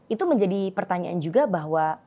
itu menjadi pertanyaan juga bahwa